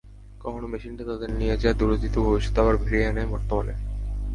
কখনো মেশিনটা তাদের নিয়ে যায় দূর অতীতে, ভবিষ্যতে, আবার ফিরিয়ে আনে বর্তমানে।